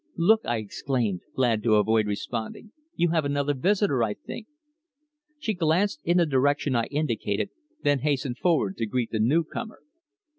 "Look?" I exclaimed, glad to avoid responding. "You have another visitor, I think." She glanced in the direction I indicated, then hastened forward to greet the new comer.